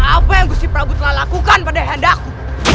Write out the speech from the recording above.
apa yang si prabu telah telah lakukan pada honda aku